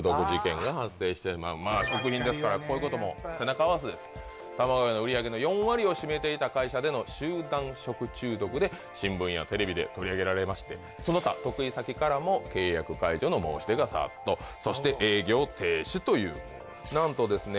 まあ食品ですからこういうことも背中合わせです玉子屋の売り上げの４割を占めていた会社での集団食中毒で新聞やテレビで取り上げられましてその他得意先からも契約解除の申し出が殺到そして営業停止というなんとですね